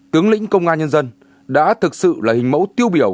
tướng lĩnh công an nhân dân đã thực sự là hình mẫu tiêu biểu